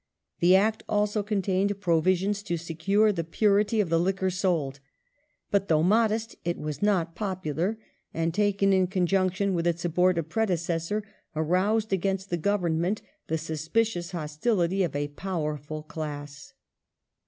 The Act also contained provisions to secure the purity of the liquor sold. But though modest it was not popular, and, taken in conjunction with its abortive predecessor, aroused against the Government the suspicious hostility of a powerful class.